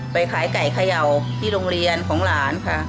ไปขายไก่เขย่าที่โรงเรียนของหลานค่ะ